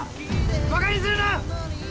バカにするな！